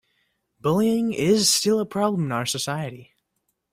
Bullying is still a problem in our society.